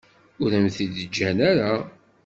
Ur am-t-id-ǧǧan ara.